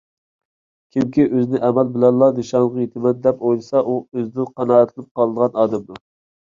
كىمكى ئۆزىنى ئەمەل بىلەنلا نىشانغا يېتىمەن، دەپ ئويلىسا ئۇ ئۆزىدىن قانائەتلىنىپ قالىدىغان ئادەمدۇر.